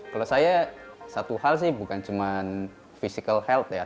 kalau saya satu hal sih bukan cuma physical health ya